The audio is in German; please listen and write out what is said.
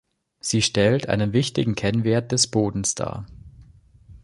Sie stellt einen wichtigen Kennwert des Bodens dar.